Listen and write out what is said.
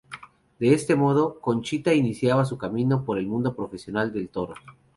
De este modo, Conchita iniciaba su camino por el mundo profesional del toro.